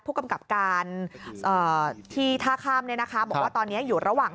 ผู้กำกับการที่ท่าคำบอกว่าตอนนี้อยู่ระหว่าง